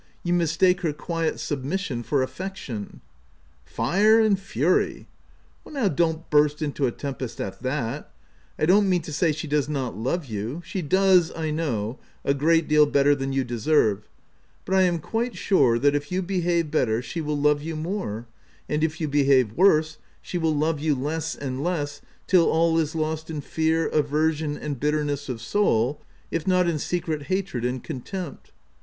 you mistake her quiet submission for affection." " Fire and fury— " u Now don't burst into a tempest at that — I don't mean to say she does not love you — she does, I know, a great deal better than you deserve — but I am quite sure, that if you behave better, she will love you more, and if you behave worse, she will love you less and less till all is lost in fear, aversion, and bitterness of soul, if not in secret hatred and contempt.